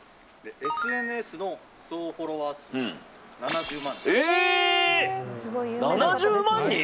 ＳＮＳの総フォロワー数が７０万人。